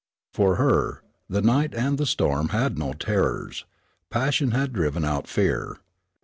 For her, the night and the storm had no terrors; passion had driven out fear.